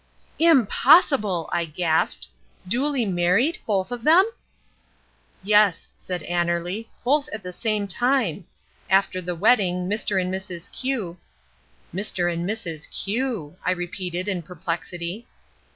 "Impossible!" I gasped; "duly married, both of them?" "Yes," said Annerly, "both at the same time. After the wedding Mr. and Mrs. Q——" "Mr. and Mrs. Q," I repeated in perplexity.